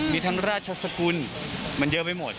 มีทั้งราชสกุลมันเยอะไปหมด